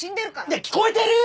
いや聞こえてる！？